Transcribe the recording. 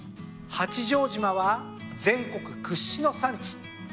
八丈島は全国屈指の産地。